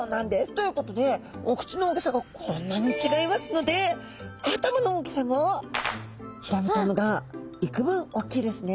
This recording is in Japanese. ということでお口の大きさがこんなに違いますので頭の大きさもヒラメちゃんのが幾分おっきいですね。